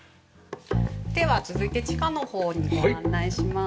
では続いて地下の方にご案内します。